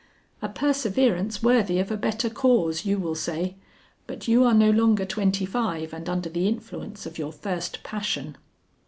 A perseverance worthy of a better cause you will say, but you are no longer twenty five and under the influence of your first passion.